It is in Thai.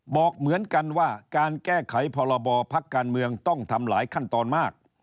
บอกเหมือนกันว่าการแก้ไขพรบพักการเมืองต้องทำหลายขั้นตอนมาก